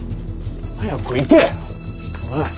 早く行け！